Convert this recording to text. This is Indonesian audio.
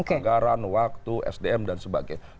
anggaran waktu sdm dan sebagainya